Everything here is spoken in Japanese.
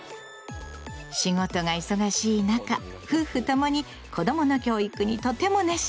仕事が忙しい中夫婦共に子どもの教育にとても熱心。